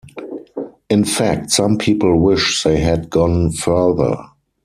In fact some people wish they had gone further..